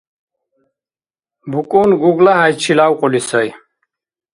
БукӀун ГуглахӀяйчи лявкьули сай.